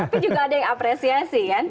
tapi juga ada yang apresiasi kan